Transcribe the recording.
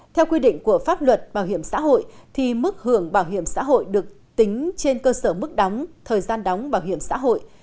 theo quy định của pháp luật bảo hiểm xã hội mức hưởng bảo hiểm xã hội được tính trên cơ sở mức đóng thời gian đóng bảo hiểm xã hội